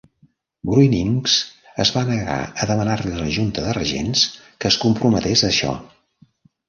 Bruininks es va negar a demanar-li a la junta de regents que es comprometés a això.